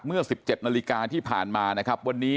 เมื่อ๑๗นาฬิกาที่ผ่านมานะครับ